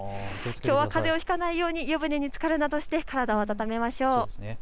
きょうはかぜをひかないように湯船につかるなどして体を温めましょう。